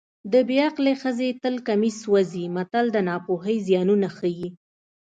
د بې عقلې ښځې تل کمیس سوځي متل د ناپوهۍ زیانونه ښيي